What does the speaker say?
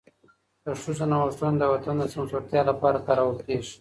د ښځو نوښتونه د وطن د سمسورتیا لپاره کارول کېږي.